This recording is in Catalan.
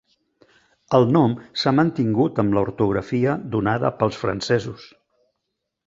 El nom s'ha mantingut amb l'ortografia donada pels francesos.